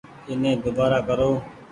ايني ۮوبآرآ ڪرو ۔